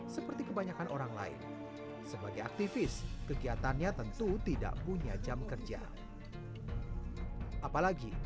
seperti kebanyakan orang lain sebagai aktivis kegiatannya tentu tidak punya jam kerja apalagi